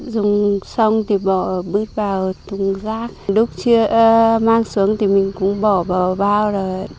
dùng xong thì bỏ bước vào thùng rác lúc chưa mang xuống thì mình cũng bỏ bỏ bao rồi